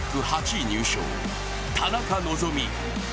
８位入賞、田中希実。